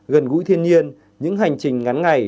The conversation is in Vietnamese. gần gũi thiên nhiên những hành trình ngắn ngày